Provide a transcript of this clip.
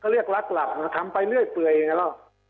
ก็เรียกลักษณ์หลักทำไปเรื่อยเปื่อยอย่างนี้แหละ